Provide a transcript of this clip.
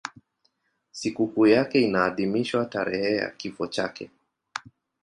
Sikukuu yake inaadhimishwa tarehe ya kifo chake.